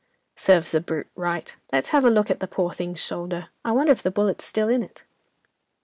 "'"Serve the brute right. Let's have a look at the poor thing's shoulder, I wonder if the bullet's still in it?"